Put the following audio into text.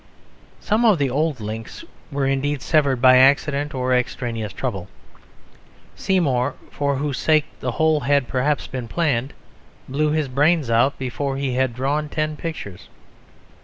Some of the old links were indeed severed by accident or extraneous trouble; Seymour, for whose sake the whole had perhaps been planned, blew his brains out before he had drawn ten pictures.